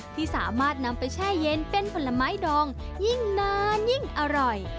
ที่สามารถนำไปแช่เย็นเป็นผลไม้ดองยิ่งนานยิ่งอร่อย